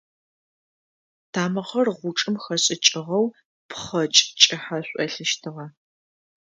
Тамыгъэр гъучӏым хэшӏыкӏыгъэу пхъэкӏ кӏыхьэ шӏолъыщтыгъэ.